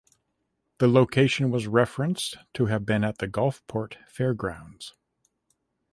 The location was referenced to have been at the Gulfport Fairgrounds.